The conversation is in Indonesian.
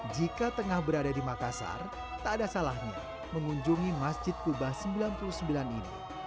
jika tengah berada di makassar tak ada salahnya mengunjungi masjid kuba sembilan puluh sembilan ini